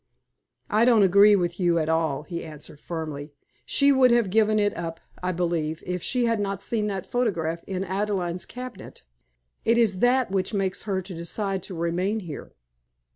"I don't agree with you at all," he answered, firmly. "She would have given it up, I believe, if she had not seen that photograph in Adelaide's cabinet. It is that which makes her to decide to remain here."